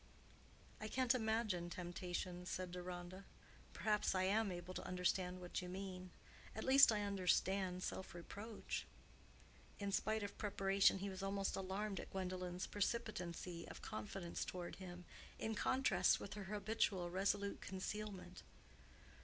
"I can't imagine temptations," said Deronda. "Perhaps I am able to understand what you mean. At least I understand self reproach." In spite of preparation he was almost alarmed at Gwendolen's precipitancy of confidence toward him, in contrast with her habitual resolute concealment.